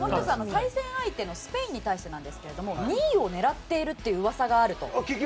対戦相手のスペインに対してですが２位を狙っている噂があると。